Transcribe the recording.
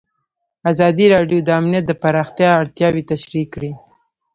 ازادي راډیو د امنیت د پراختیا اړتیاوې تشریح کړي.